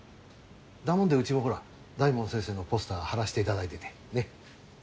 だもんでうちもほら大門先生のポスター貼らしていただいててねっ。